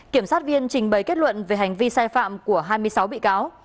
kiểm sát viên trình bày kết luận về hành vi sai phạm của hai mươi sáu bị cáo